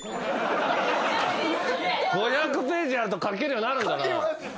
５００ページやると書けるようになるんだな。